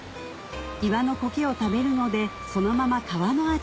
岩のコケを食べるのでそのまま川の味